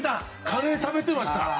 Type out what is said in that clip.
カレー食べてました。